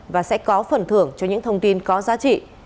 và sẽ có phần thưởng cho những thông tin có giá trị